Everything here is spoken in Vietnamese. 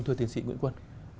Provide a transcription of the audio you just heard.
thưa tiến sĩ nguyễn quân